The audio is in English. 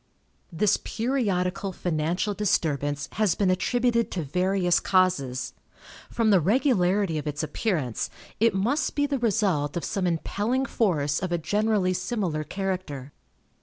This periodical financial disturbance has been attributed to various causes. From the regularity of its appearance, it must be the result of some impelling force of a generally similar character.